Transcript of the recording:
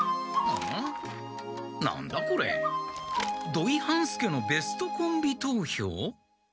「土井半助のベストコンビ投票」？